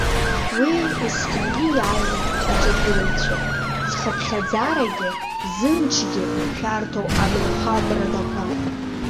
Уи есқьынгьы иаиуеит аҿагылаҩцәа, зхыԥхьаӡарагьы зымчгьы шәарҭоу абаҩхатәрадақәа.